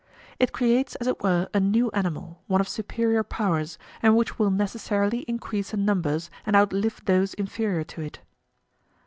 It creates as it were a new animal, one of superior powers, and which will necessarily increase in numbers and outlive those inferior to it.